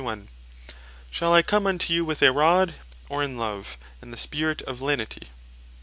"Shall I come unto you with a Rod, or in love, and the spirit of lenity?"